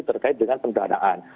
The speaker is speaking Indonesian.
terkait dengan perdanaan